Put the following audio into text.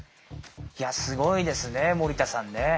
いやすごいですね森田さんね。